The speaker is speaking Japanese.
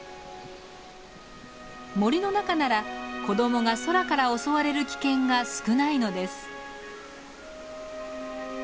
森の中なら子どもが空から襲われる危険が少ないのです。